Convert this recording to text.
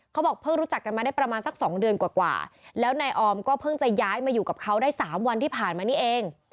เขาบอกเพิ่งรู้จักกันมาได้ประมาณสัก๒เดือนกว่าแล้วนายออมก็เพิ่งจะย้ายมาอยู่กับเขาได้๓วันที่ผ่านมานี่เอง